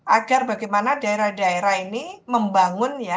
agar bagaimana daerah daerah ini membangun ya